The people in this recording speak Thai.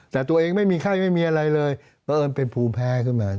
แต่ตัวเองไม่มีไข้ไม่มีอะไรเลยเพราะเอิญเป็นภูมิแพ้ขึ้นมา